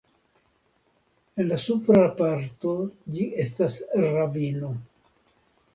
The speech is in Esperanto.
En la supra parto ĝi estas ravino.